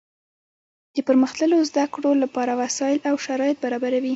د پرمختللو زده کړو له پاره وسائل او شرایط برابروي.